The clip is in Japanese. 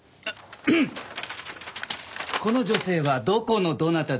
この女性はどこのどなたでしょう？